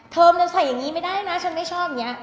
เทิมจะใส่อย่างงี้ไม่ได้นะฉันไม่ชอบเนี้ย